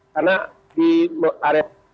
karena di area